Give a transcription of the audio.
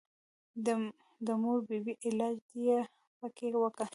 د مور بي بي علاج دې پې وکه.